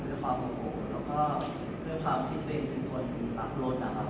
ด้วยความโมโหแล้วก็ด้วยความที่ตัวเองเป็นคนรักรถนะครับ